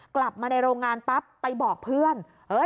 กลับมาในโรงงานปั๊บไปบอกเพื่อน